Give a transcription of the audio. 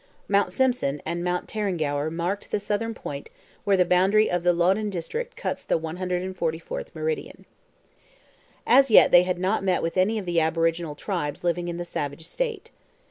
Mount Simpson and Mount Terrengower marked the southern point where the boundary of the Loddon district cuts the 144th meridian. As yet they had not met with any of the aboriginal tribes living in the savage state.